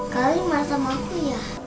kali mah sama aku ya